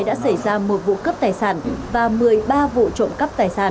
đã xảy ra một vụ cướp tài sản và một mươi ba vụ trộm cắp tài sản